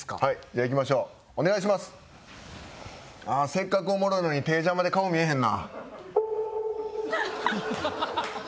ああせっかくおもろいのに手ぇ邪魔で顔見えへんな。